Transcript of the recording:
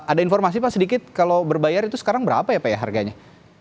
ada informasi pak sedikit kalau berbayar itu sekarang berapa ya pak ya harganya